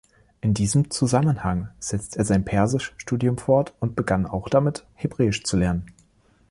In diesem Zusammenhang setzte er sein Persisch-Studium fort und begann auch damit, Hebräisch zu lernen.